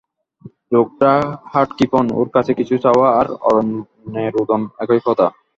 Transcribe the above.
লােকটা হাড়কৃপণ, ওর কাছে কিছু চাওয়া আর অরণ্যে রােদন একই কথা।